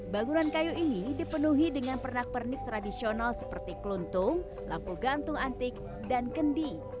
bangunan kayu ini dipenuhi dengan pernak pernik tradisional seperti keluntung lampu gantung antik dan kendi